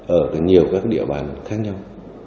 ở nhiều các địa bàn khác nhau